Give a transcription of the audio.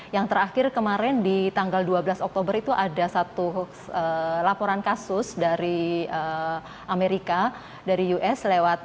yang terakhir kemarin di tanggal dua belas oktober itu ada satu laporan kasus dari amerika dari us